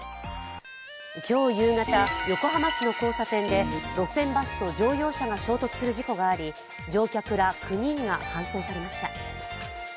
今日夕方、横浜市の交差点で路線バスと乗用車が衝突する事故があり、乗客ら９人が搬送されました。